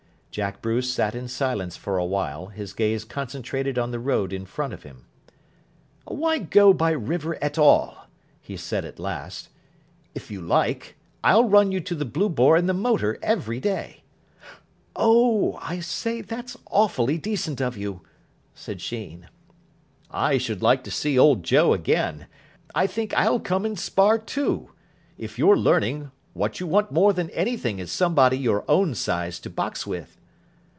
Jack Bruce sat in silence for a while, his gaze concentrated on the road in front of him. "Why go by river at all?" he said at last. "If you like, I'll run you to the 'Blue Boar' in the motor every day." "Oh, I say, that's awfully decent of you," said Sheen. "I should like to see old Joe again. I think I'll come and spar, too. If you're learning, what you want more than anything is somebody your own size to box with."